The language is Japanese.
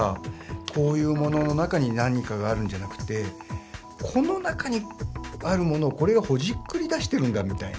こういうものの中に何かがあるんじゃなくてこの中にあるものをこれがほじくり出してるんだみたいな。